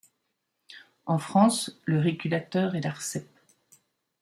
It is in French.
En France, le régulateur est l'Arcep.